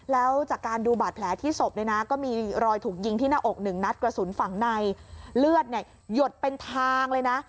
แล้วจากการดูบาดแผลที่ศพเนี่ยนะก็มีรอยถูกยิงที่หน้าอกหนึ่งนัดกระสุนฝั่งในเลือดเนี่ยหยดเป็นทางเลยนะ